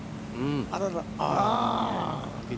あらら。